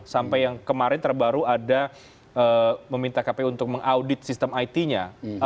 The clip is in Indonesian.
sampai yang kemarin terbaru ada meminta kpu untuk mengaudit sistem it nya